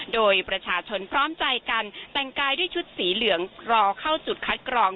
โดยประชาชนพร้อมใจกันแต่งกายด้วยชุดสีเหลืองรอเข้าจุดคัดกรอง